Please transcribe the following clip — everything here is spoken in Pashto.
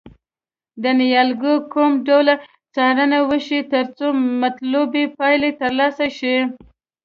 د نیالګیو کوم ډول څارنه وشي ترڅو مطلوبې پایلې ترلاسه شي.